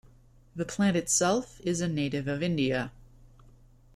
The plant itself, is a native of India.